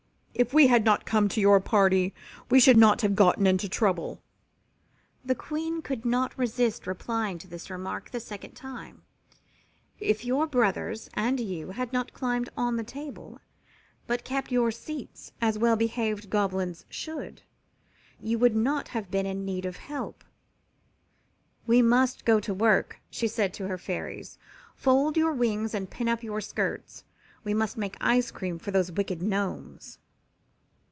"If we had not come to your party we should not have gotten into trouble." The Queen could not resist replying to this remark the second time. "If your brothers and you had not climbed on the table, but kept your seats, as well behaved Goblins should, you would not have been in need of help. "We must go to work," she said to her Fairies. "Fold your wings and pin up your skirts. We must make ice cream for those wicked Gnomes."